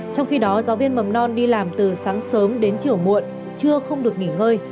trong khi đó giáo viên mầm non đi làm từ sáng sớm đến chiều muộn chưa không được nghỉ ngơi